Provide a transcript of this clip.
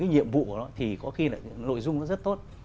nội dung nó rất tốt